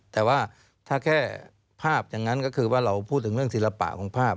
แต่ว่าถ้าแค่ภาพอย่างนั้นก็คือว่าเราพูดถึงเรื่องศิลปะของภาพ